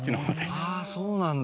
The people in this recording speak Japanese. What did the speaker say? あぁそうなんだ。